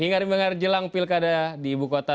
ingar ingar jelang pilkada di ibu kota